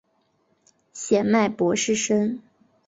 显脉柏氏参